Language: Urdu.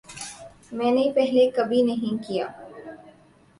میں نے پہلے کبھی نہیں کیا